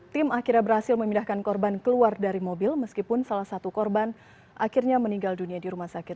tim akhirnya berhasil memindahkan korban keluar dari mobil meskipun salah satu korban akhirnya meninggal dunia di rumah sakit